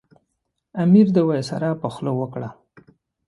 امیر د وایسرا په خوله وکړه.